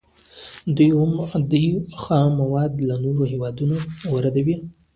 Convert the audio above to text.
دوی خام مواد له نورو هیوادونو واردوي.